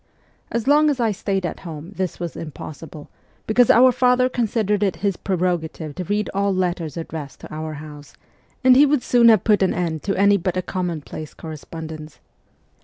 As long as I stayed at home this was impossible, because our father considered it his preroga tive to read all letters addressed to our house, and he would soon have put an end to any but a commonplace correspondence.